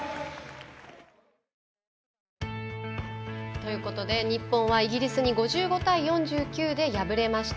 ということで日本はイギリスに５５対４９で敗れました。